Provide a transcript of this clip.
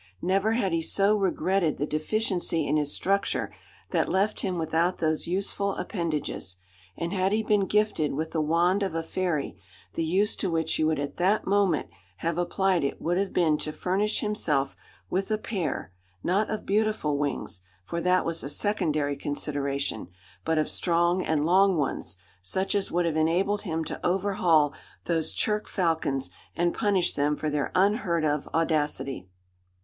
Never had he so regretted the deficiency in his structure that left him without those useful appendages; and had he been gifted with the "wand of a fairy," the use to which he would at that moment have applied it would have been to furnish himself with a pair, not of "beautiful wings" for that was a secondary consideration but of strong and long ones, such as would have enabled him to overhaul those churk falcons, and punish them for their unheard of audacity.